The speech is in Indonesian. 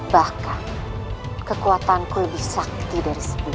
bahkan kekuatanku lebih sakti dari sebelumnya